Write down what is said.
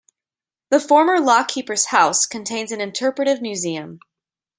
The former lock-keeper's house contains an interpretive museum.